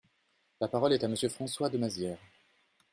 La parole est à Monsieur François de Mazières.